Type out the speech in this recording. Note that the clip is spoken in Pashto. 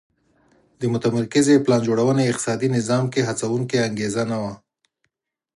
د متمرکزې پلان جوړونې اقتصادي نظام کې هڅوونکې انګېزه نه وه